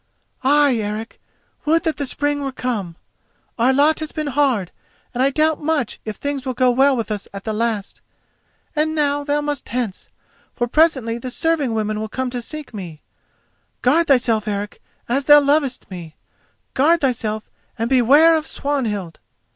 "Ay, Eric, would that the spring were come. Our lot has been hard, and I doubt much if things will go well with us at the last. And now thou must hence, for presently the serving women will come to seek me. Guard thyself, Eric, as thou lovest me—guard thyself, and beware of Swanhild!"